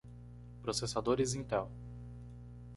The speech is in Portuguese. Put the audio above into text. Processadores Intel.